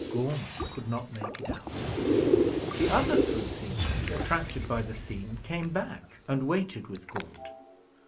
Gaunt could not make it out. The other three seniors, attracted by the scene, came back, and waited with Gaunt.